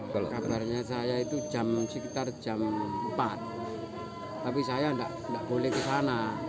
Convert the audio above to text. kalau kabarnya saya itu sekitar jam empat tapi saya tidak boleh ke sana